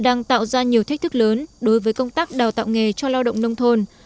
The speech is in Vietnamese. đang tạo ra nhiều thách thức lớn đối với công tác đào tạo nghề cho lao động nông thôn